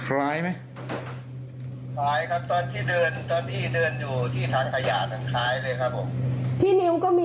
คล้ายครับตอนที่เดินตอนที่เดินอยู่ที่ทางขยะมันคล้ายเลยครับผม